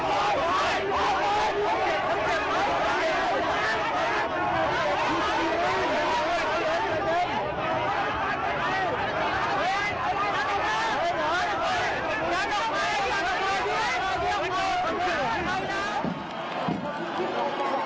โอ้ยโอ้โอ้โอ้โอ้